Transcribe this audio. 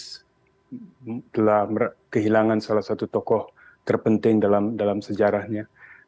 setelah kehilangan salah satu tokoh terpenting dalam sejarahnya